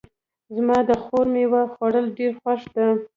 زما د خور میوه خوړل ډېر خوښ ده